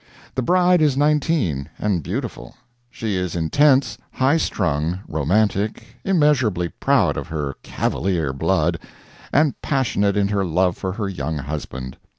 The bride is nineteen and beautiful. She is intense, high strung, romantic, immeasurably proud of her Cavalier blood, and passionate in her love for her young husband.